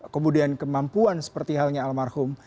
kemudian kemampuan seperti halnya almarhum